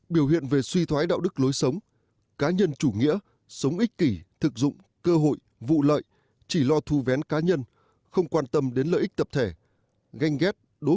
biểu hiện về suy thoái đạo đức lối sống cá nhân chủ nghĩa sống ích kỷ thực dụng cơ hội vụ lợi chỉ lo thu vén cá nhân không quan tâm đến lợi ích tập thể